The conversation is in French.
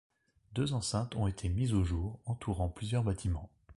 Deux enceintes ont été mises au jour, entourant plusieurs bâtiments.